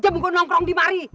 jam gue nongkrong di mari